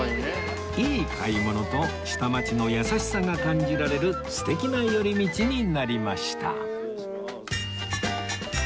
いい買い物と下町の優しさが感じられる素敵な寄り道になりました